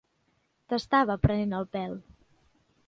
T'estava prenent el pèl.